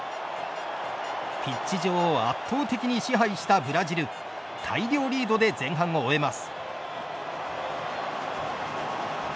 ピッチ上を圧倒的に支配したブラジル大量リードで前半を終えます。